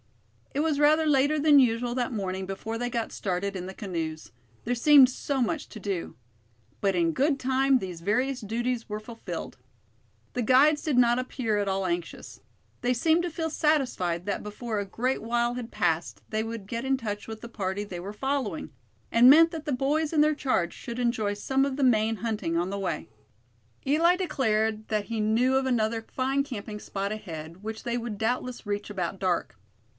It was rather later than usual that morning before they got started in the canoes; there seemed so much to do. But in good time these various duties were fulfilled. The guides did not appear at all anxious. They seemed to feel satisfied that before a great while had passed, they would get in touch with the party they were following; and meant that the boys in their charge should enjoy some of the Maine hunting on the way. Eli declared that he knew of another fine camping spot ahead, which they would doubtless reach about dark.